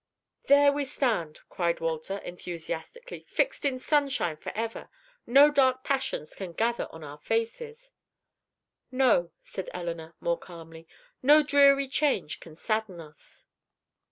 "There we stand," cried Walter, enthusiastically, "fixed in sunshine forever! No dark passions can gather on our faces!" "No," said Elinor, more calmly; "no dreary change can sadden us."